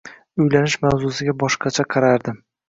Uylanish mavzusiga boshqacha qarardim